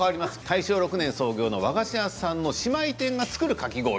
大正６年創業の和菓子屋さんの姉妹店が作るかき氷。